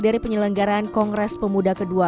dari penyelenggaran kongres pemuda kedua